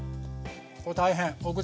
これ大変！